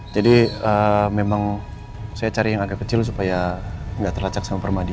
jadi memang saya cari yang agak kecil supaya gak terlacak sama permadi